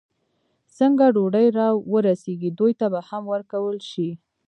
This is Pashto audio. څنګه ډوډۍ را ورسېږي، دوی ته به هم ورکول شي.